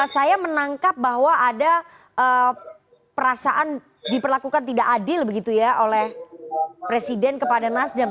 saya menangkap bahwa ada perasaan diperlakukan tidak adil begitu ya oleh presiden kepada nasdem